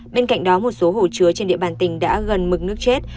bên cạnh đó một số hồ chứa trên địa bàn tỉnh đã gần mực nước chết